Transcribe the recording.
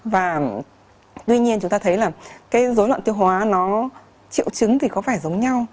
và tuy nhiên chúng ta thấy là cái dối loạn tiêu hóa nó triệu chứng thì có vẻ giống nhau